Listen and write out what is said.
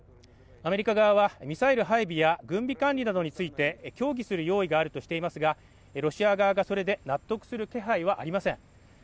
アメリカ側はミサイル配備や軍備管理などについて協議する用意があるとしていますがロシア側がそれで納得する気配はありません